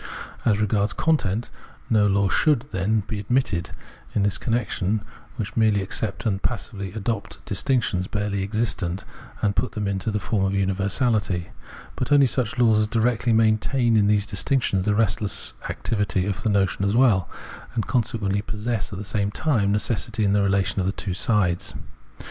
As regards content, no laws should, then, be admitted in this connection, which merely accept and passively adopt distinctions barely existent, and put them into the form of universahty ; but only such laws as directly maintain in these distinctions the restless activity of the notion as well, and consequently possess at the same time necessity in the relation of the two sides.